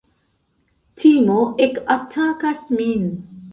Timo ekatakas min.